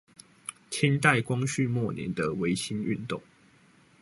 清代光緒末年的維新運動